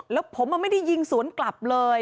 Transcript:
แล้วผมไม่ได้ยิงสวนกลับเลย